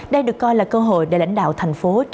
đây được coi là cơ hội để lãnh đạo thành phố trao đổi thảo luận